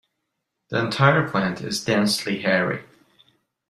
The entire plant is densely hairy.